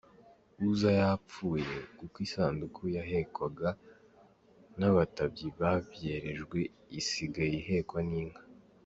Uza yapfuye kuko isanduku yahekwaga n’abatabyi babyerejwe isigaye ihekwa n’inka.